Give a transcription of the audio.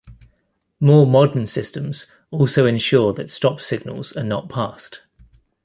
More modern systems also ensure that stop signals are not passed.